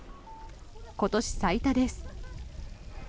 今年最多です。